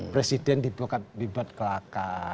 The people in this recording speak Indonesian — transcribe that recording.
presiden dibuat kelakar